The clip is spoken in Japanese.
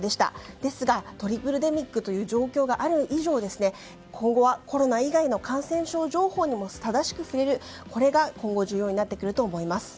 ですがトリプルデミックという状況がある以上、今後はコロナ以外の感染症情報を正しく伝えることが今後重要になってくると思います。